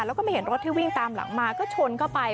แล้วก็ไม่เห็นรถที่วิ่งตามหลังมา